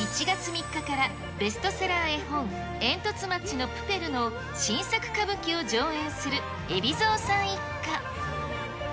１月３日からベストセラー絵本、えんとつ町のプペルの新作歌舞伎を上演する海老蔵さん一家。